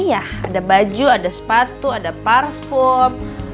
iya ada baju ada sepatu ada parfum